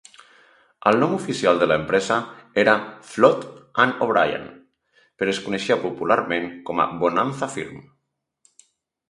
El nom oficial de l'empresa era "Flood and O'Brien", però es coneixia popularment com a "Bonanza Firm".